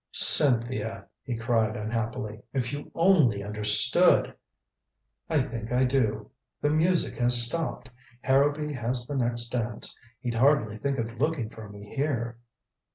"Cynthia!" he cried unhappily. "If you only understood " "I think I do. The music has stopped. Harrowby has the next dance he'd hardly think of looking for me here."